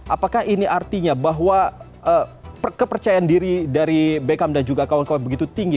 apakah ini artinya bahwa kepercayaan diri dari bekam dan juga kawan kawan begitu tinggi